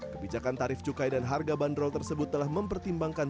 kebijakan tarif cukai dan harga bandrol tersebut telah mempertimbangkan